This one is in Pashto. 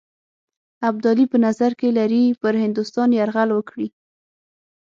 ابدالي په نظر کې لري پر هندوستان یرغل وکړي.